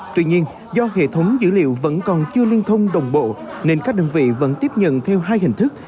tuy nhiên do hệ thống dữ liệu vẫn còn chưa liên thông đồng bộ nên các đơn vị vẫn tiếp nhận theo hai hình thức